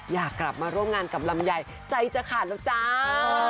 อยากกลับมาร่วมงานกับลำไยใจจะขาดแล้วจ้า